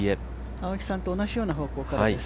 青木さんと同じような方向からです。